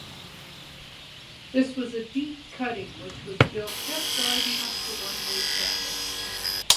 This was a deep cutting which was built just wide enough for one-way traffic.